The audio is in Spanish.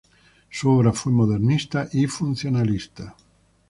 Su obra fue modernista y funcionalista.